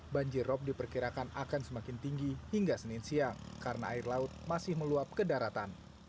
banjirop diperkirakan akan semakin tinggi hingga senin siang karena air laut masih meluap ke daratan